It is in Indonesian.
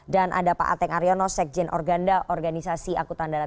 dan ada pak ateng aryono sekjen organda organisasi akutan darat